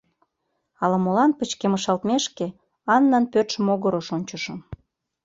Ала-молан пычкемышалтмешке Аннан пӧртшӧ могырыш ончышым.